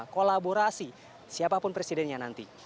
untuk mengedukasi siapapun presidennya nanti